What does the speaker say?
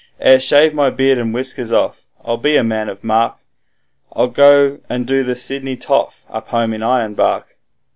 ''Ere! shave my beard and whiskers off, I'll be a man of mark, I'll go and do the Sydney toff up home in Ironbark.'